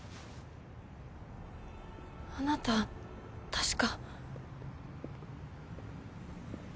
あなた確か。